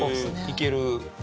いける。